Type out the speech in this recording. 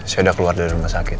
saya sudah keluar dari rumah sakit